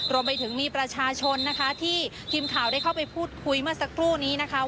รวมไปถึงมีประชาชนนะคะที่ทีมข่าวได้เข้าไปพูดคุยเมื่อสักครู่นี้นะคะ